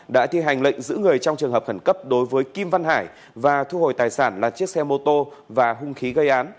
và thu hồi tài sản là chiếc xe mô tô và hung khí gây án